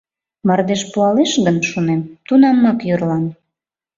Мардеж пуалеш гын, шонем, тунамак йӧрлам.